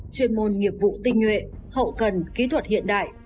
chuyên môn nghiệp vụ tinh nhuệ hậu cần kỹ thuật hiện đại